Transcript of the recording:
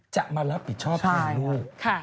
จะมารับผิดชอบแทนลูก